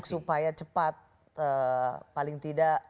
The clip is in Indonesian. supaya cepat paling tidak